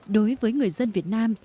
đối với người dân việt nam